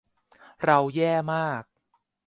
เราแย่มาก